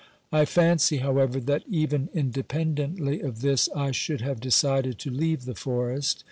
I fancy, however, that even independently of this I should have decided to leave the forest.